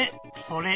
「それ」